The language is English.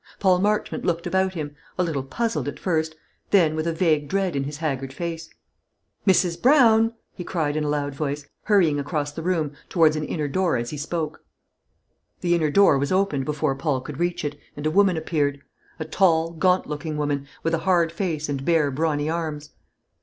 Paul Marchmont looked about him a little puzzled at first; then with a vague dread in his haggard face. "Mrs. Brown!" he cried, in a loud voice, hurrying across the room towards an inner door as he spoke. The inner door was opened before Paul could reach it, and a woman appeared; a tall, gaunt looking woman, with a hard face and bare, brawny arms.